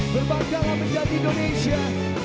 berbangkanglah menjadi indonesia